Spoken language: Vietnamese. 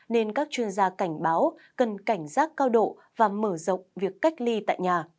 nên các chuyên gia cảnh báo cần cảnh giác cao độ và mở rộng việc cách ly tại nhà